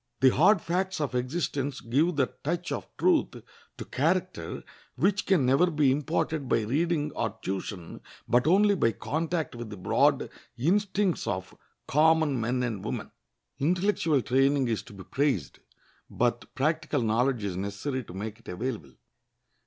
The hard facts of existence give that touch of truth to character which can never be imparted by reading or tuition, but only by contact with the broad instincts of common men and women. Intellectual training is to be prized, but practical knowledge is necessary to make it available.